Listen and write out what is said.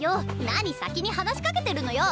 何先に話しかけてるのよ！